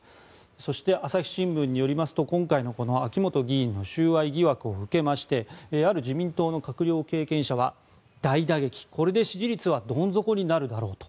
そして、朝日新聞によりますと今回の秋本議員の収賄疑惑を受けある自民党の閣僚経験者は大打撃、これで支持率はどん底になるだろうと。